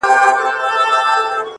څوك دي د جاناني كيسې نه كوي.